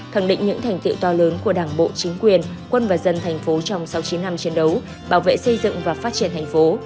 khẳng định những thành tiệu to lớn của đảng bộ chính quyền quân và dân thành phố trong sau chín năm chiến đấu bảo vệ xây dựng và phát triển thành phố